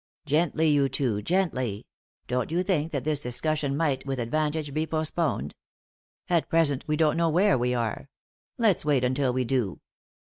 "Gently, you two, gently. Don't you think that this discussion might, with advantage, be postponed ? At present we don't know where we are ; let's wait until we do.